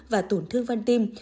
và tổn thương văn tim